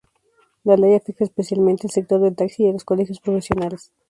La ley afecta especialmente al sector del taxi y a los colegios profesionales.